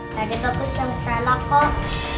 tadi bagus yang salah kok